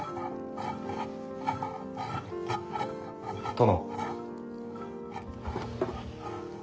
・殿。